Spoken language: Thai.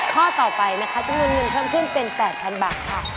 ข้อต่อไปนะคะจำนวนเงินเพิ่มขึ้นเป็น๘๐๐๐บาทค่ะ